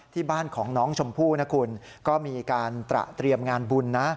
ที่บ้านของน้องชมพู่นะคุณก็มีการตระเตรียมงานบุญนะ